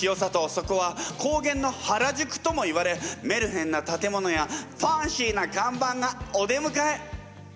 そこは高原の原宿とも言われメルヘンな建物やファンシーな看板がお出むかえ。